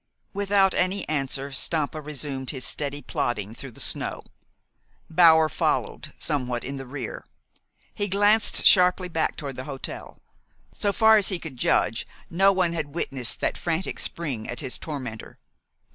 Without any answer, Stampa resumed his steady plodding through the snow. Bower followed, somewhat in the rear. He glanced sharply back toward the hotel. So far as he could judge, no one had witnessed that frantic spring at his tormentor.